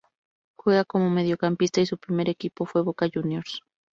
Juega como mediocampista y su primer equipo fue Boca Juniors.